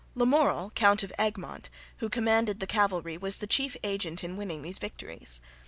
Lamoral, Count of Egmont, who commanded the cavalry, was the chief agent in winning these victories.